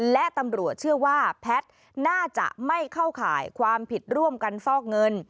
และตำรวจเชื่อว่าแพทย์น่าจะไม่เข้าข่ายความผิดร่วมกันฟอกเงิน